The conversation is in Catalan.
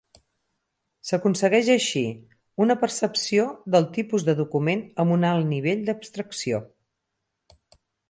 S'aconsegueix així, una percepció del tipus de document amb un alt nivell d'abstracció.